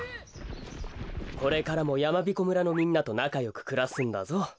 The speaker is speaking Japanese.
これからもやまびこ村のみんなとなかよくくらすんだぞ。